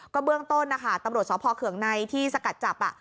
ก็เบื้องต้นนะคะตำรวจสคในที่สกัดจับอ่ะ